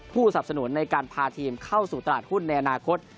สับสนุนในการพาทีมเข้าสู่ตลาดหุ้นในอนาคต